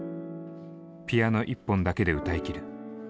ピアノ１本だけで歌いきる。